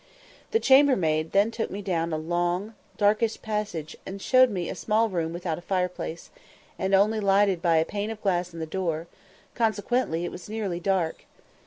The chambermaid then took me down a long, darkish passage, and showed me a small room without a fireplace, and only lighted by a pane of glass in the door; consequently, it was nearly dark.